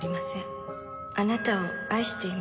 「あなたを愛していました。